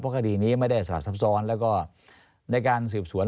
คดีนี้ไม่ได้สลับซับซ้อนแล้วก็ในการสืบสวน